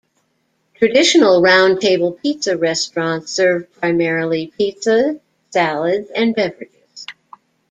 Traditional Round Table Pizza restaurants serve primarily pizza, salads and beverages.